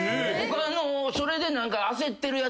それで。